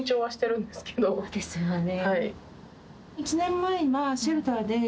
そうですよね。